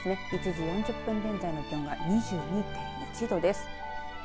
１時４０分現在の気温は２２．１度です。